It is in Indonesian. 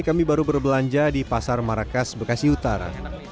kami baru berbelanja di pasar marakas bekasi utara